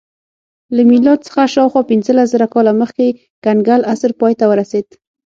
له میلاد څخه شاوخوا پنځلس زره کاله مخکې کنګل عصر پای ته ورسېد